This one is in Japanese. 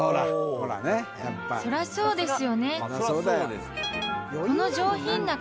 ［そらそうですよね］